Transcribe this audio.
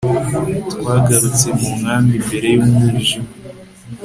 twagarutse mu nkambi mbere y'umwijima